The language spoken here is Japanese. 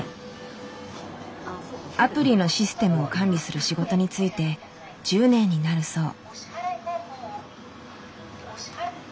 アプリのシステムを管理する仕事に就いて１０年になるそう。